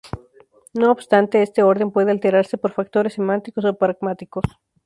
No obstante, este orden puede alterarse por factores semánticos o pragmáticos.